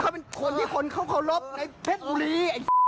เขาเป็นคนที่คนเขาเคารพในเพชรบุรี